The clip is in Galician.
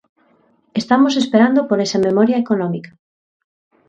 Estamos esperando por esa memoria económica.